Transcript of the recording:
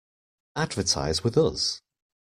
Advertise with us!